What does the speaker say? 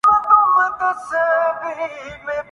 معاہدوں کے نفاذ کے بدلے یرغمالوں کو رہا کرنے پر آمادہ ہے